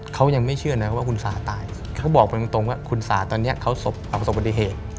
เขายังไม่เชื่อนะว่าคุณสาตายเขาบอกไปตรงว่าคุณสาตอนนี้เขาประสบปฏิเหตุ